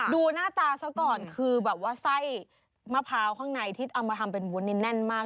ดูหน้าตาซะก่อนคือแบบว่าไส้มะพร้าวข้างในที่เอามาทำเป็นวุ้นนี่แน่นมาก